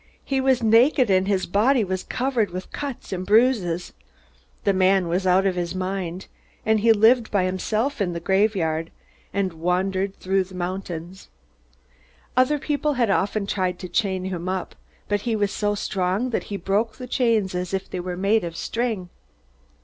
He was naked, and his body was covered with cuts and bruises. The man was out of his mind, and he lived by himself in the graveyard, and wandered through the mountains. Other people had often tried to chain him up, but he was so strong that he broke the chains as if they were made of string.